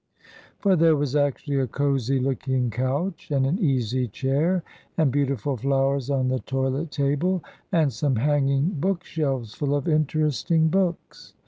For there was actually a cosy looking couch, and an easy chair, and beautiful flowers on the toilet table, and some hanging book shelves full of interesting books.